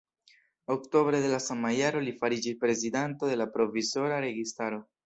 Oktobre de la sama jaro li fariĝis prezidanto de la provizora registaro.